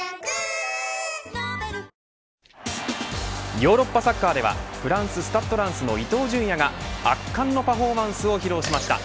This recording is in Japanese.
ヨーロッパサッカーではフランス、スタッドランスの伊東純也が、圧巻のパフォーマンスを披露しました。